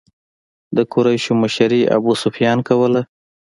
د قریشو مشري ابو سفیان کوله.